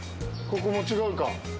ここも違うか。